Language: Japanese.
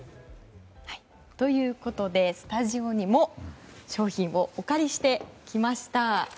ということで、スタジオにも商品をお借りしてきました。